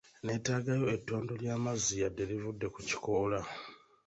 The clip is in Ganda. Neetaagayo ettondo ly'amazzi yadde livudde ku kikoola.